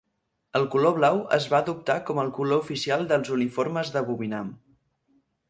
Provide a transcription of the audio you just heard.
El color blau es va adoptar com el color oficial dels uniformes de Vovinam.